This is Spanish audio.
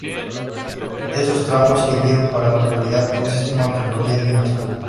Esos tramos sirvieron para consolidar un sistema ferroviario nacional.